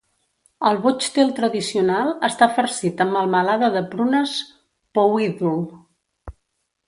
El Buchtel tradicional està farcit amb melmelada de prunes Powidl.